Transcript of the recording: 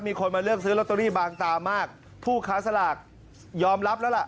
มีคนมาเลือกซื้อลอตเตอรี่บางตามากผู้ค้าสลากยอมรับแล้วล่ะ